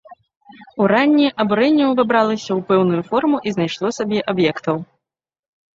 Уранні абурэнне ўвабралася ў пэўную форму і знайшло сабе аб'ектаў.